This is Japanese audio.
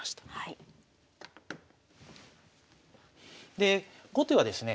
で後手はですね